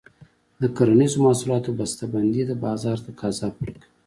د کرنیزو محصولاتو بسته بندي د بازار تقاضا پوره کوي.